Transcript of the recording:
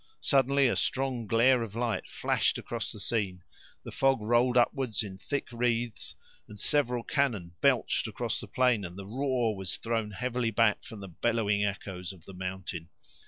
Suddenly a strong glare of light flashed across the scene, the fog rolled upward in thick wreaths, and several cannons belched across the plain, and the roar was thrown heavily back from the bellowing echoes of the mountain.